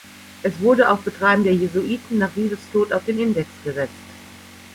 Es wurde auf Betreiben der Jesuiten nach Vives’ Tod auf den Index gesetzt.